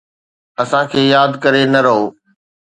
اسان کي ياد ڪري نه روءِ